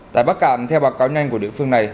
tại bắc cạn theo báo cáo nhanh của địa phương này